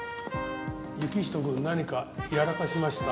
行人くん何かやらかしました？